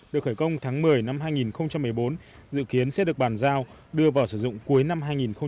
được khởi công tháng một mươi năm hai nghìn một mươi bốn dự kiến sẽ được bàn giao đưa vào sử dụng cuối năm hai nghìn một mươi chín